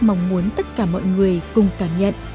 mong muốn tất cả mọi người cùng cảm nhận